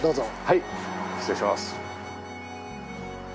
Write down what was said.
はい失礼します。